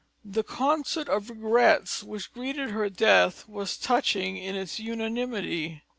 The concert of regrets which greeted her death was touching in its unanimity.